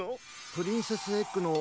プリンセスエッグの。